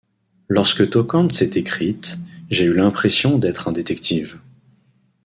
Lorsque Tocante s’est écrite, j’ai eu l’impression d’être un détective.